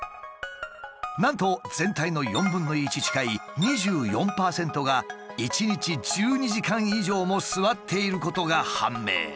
なんと全体の４分の１近い２４％が１日１２時間以上も座っていることが判明。